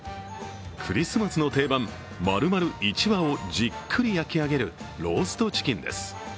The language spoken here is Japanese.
クリスマスの定番、丸々１羽をじっくり焼き上げるローストチキンです。